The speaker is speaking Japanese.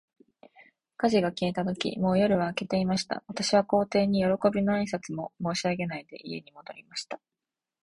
火事が消えたとき、もう夜は明けていました。私は皇帝に、よろこびの挨拶も申し上げないで、家に戻りました。